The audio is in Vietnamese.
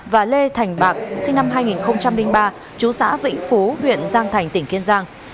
và lê thành bạc sinh năm hai nghìn ba chú xã vĩnh phú huyện giang thành tỉnh kiên giang